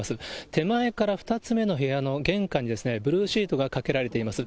手前から２つ目の部屋の玄関にブルーシートがかけられています。